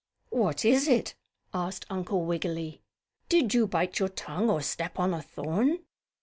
"What is it?" asked Uncle Wiggily. "Did you bite your tongue or step on a thorn?"